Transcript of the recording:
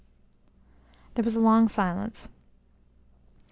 There was a long silence.